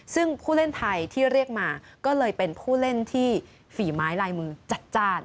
ซึ่งผู้เล่นไทยที่เรียกมาก็เลยเป็นผู้เล่นที่ฝีไม้ลายมือจัดจ้าน